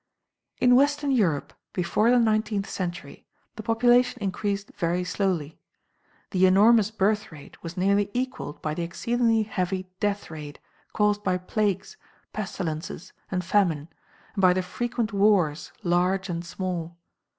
In Western Europe before the nineteenth century the population increased very slowly. The enormous birth rate was nearly equalled by the exceedingly heavy death rate caused by plagues, pestilences, and famine, and by the frequent wars large and small.